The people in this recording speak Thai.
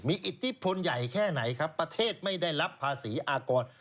มีอิทธิพลใหญ่แค่ไหนครับประเทศไม่ได้รับภาษีอากร